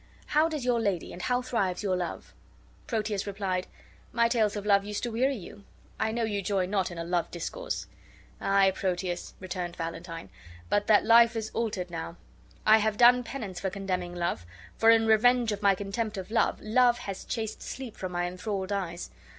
How does your lady, and how thrives your love?" Proteus replied: "My tales of love used to weary you. I know you joy not in a love discourse." "Aye, Proteus," returned Valentine, "but that life is altered now. I have done penance for condemning love. For in revenge of my contempt of love, love has chased sleep from my enthralled eyes.